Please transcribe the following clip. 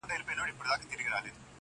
ښه په کټ کټ مي تدبير را سره خاندي,